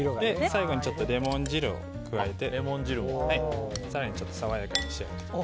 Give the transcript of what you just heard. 最後にレモン汁を加えて更に爽やかに仕上げていきます。